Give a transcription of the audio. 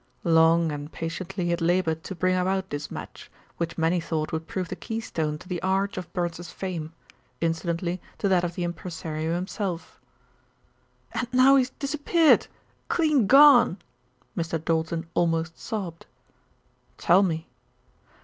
Long and patiently he had laboured to bring about this match, which many thought would prove the keystone to the arch of Burns's fame, incidentally to that of the impresario himself. "And now he's disappeared clean gone." Mr. Doulton almost sobbed. "Tell me."